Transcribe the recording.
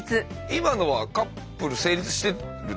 今のはカップル成立してるんですか？